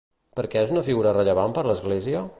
Per què és una figura rellevant per l'Església?